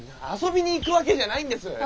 遊びに行くわけじゃないんです。